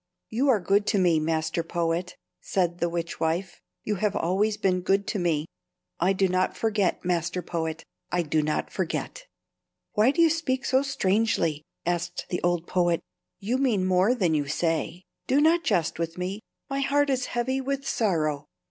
"You are good to me, master poet," said the witchwife. "You have always been good to me. I do not forget, master poet, I do not forget." "Why do you speak so strangely?" asked the old poet. "You mean more than you say. Do not jest with me; my heart is heavy with sorrow."